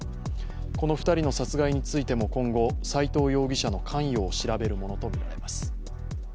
この２人の殺害についても今後、斉藤容疑者の関与を調べるものとみられます。